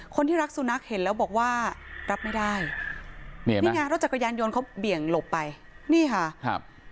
คนที่รักสุนัขเห็นแล้วบอกว่ารับไม่ได้นี่ไงรถจักรยานยนต์เขาเบี่ยงหลบไปนี่ค่ะครับ